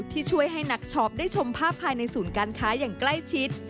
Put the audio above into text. ที่ช่วยให้นักช็อปได้ชมภาพภายในศูนย์การค้าอย่างใกล้ชิด